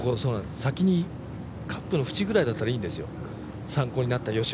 先にカップの縁ぐらいだったらいいんですよ、参考になる。